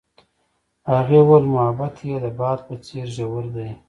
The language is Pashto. هغې وویل محبت یې د باد په څېر ژور دی.